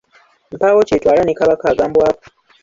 Mpaawo kyetwala ne Kabaka agambwako.